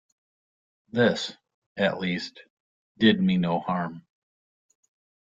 This, at least, did me no harm.